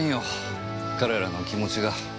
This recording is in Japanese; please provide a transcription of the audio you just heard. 彼らの気持ちが。